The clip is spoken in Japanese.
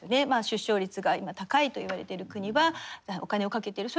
出生率が今高いといわれている国はお金をかけている。